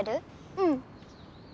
うん。